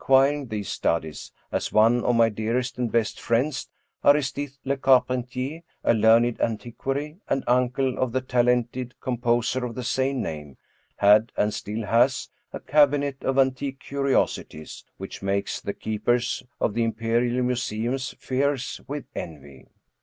Robert'Houdin quiring these studies, as one of my dearest and best friends, Aristide le Carpentier, a learned antiquary, and uncle of the talented composer of the same name, had, and still has, a cabinet of antique curiosities, which makes the keepers of the imperial museums fierce with envy.